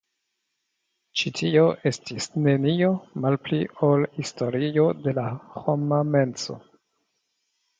Ĉi tio estis nenio malpli ol historio de la homa menso.